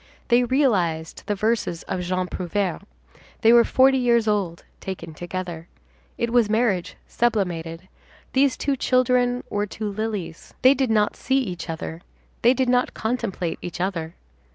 They realized the verses of Jean Prouvaire; they were forty years old taken together. It was marriage sublimated; these two children were two lilies. They did not see each other, they did not contemplate each other.